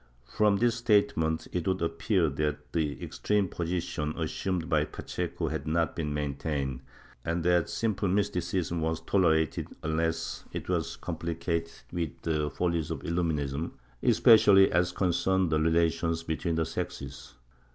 ^ From this statement it would appear that the extreme position assumed by Pacheco had not been maintained and that simple mysticism was tolerated unless it was complicated with the 1 Bibl. nacional, MSS., V, 377, cap. xxi. 36 MYSTICISM [Book VIII follies of Illuminism, especially as concerned the relations between the sexes.